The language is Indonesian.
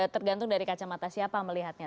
tergantung dari kacamata siapa melihatnya